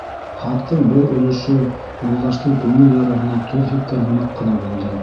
Хаттың был өлөшө Юлдаштың күңел яраһына тоҙ һипкән һымаҡ ҡына булды.